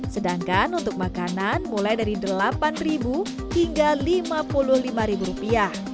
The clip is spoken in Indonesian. sedangkan untuk makanan mulai dari delapan hingga lima puluh lima rupiah